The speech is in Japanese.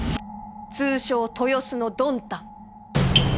通称豊洲のドンタン。